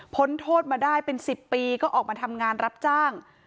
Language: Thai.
โทษมาได้เป็น๑๐ปีก็ออกมาทำงานรับจ้าง